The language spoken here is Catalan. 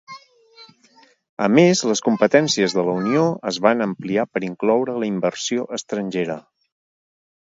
A més, les competències de la Unió es van ampliar per incloure la inversió estrangera.